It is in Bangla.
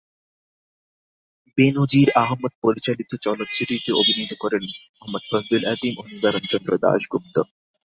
বে-নজীর আহমদ পরিচালিত চলচ্চিত্রটিতে অভিনয় করেন মোহাম্মদ ফজলুল আজিম এবং নিবারণচন্দ্র দাশগুপ্ত।